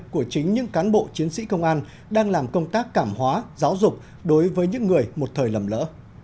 của chính những cán bộ chiến sĩ công an đang làm công tác cảm hóa giáo dục đối với những người một thời lầm lỡ